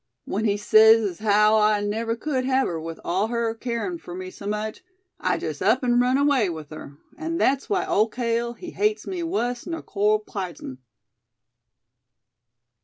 "When he sez as haow I never cud hev her with all her carin' fur me so much, I jest up an' run away with her; an' thet's why Ole Cale, he hates me wuss nor cold pizen!"